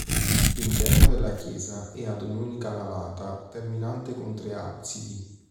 L'interno della chiesa è ad un'unica navata terminante con tre absidi.